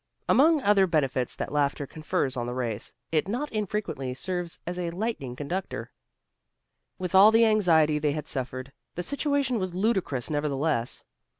Among other benefits that laughter confers on the race, it not infrequently serves as a lightning conductor. With all the anxiety they had suffered, the situation was ludicrous nevertheless.